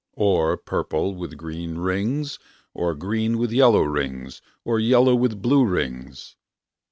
Or purple with green rings. Or green with yellow rings. Or yellow with blue rings